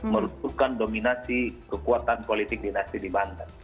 merusukkan dominasi kekuatan politik dinasti di bandar